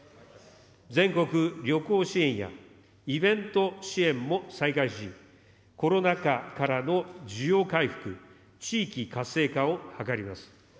全国旅行支援や、イベント支援も再開し、コロナ禍からの需要回復、地域活性化を図ります。